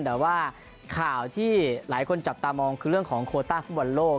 แต่ว่าข่าวที่หลายคนจับตามองคือเรื่องของโคต้าฟุตบอลโลก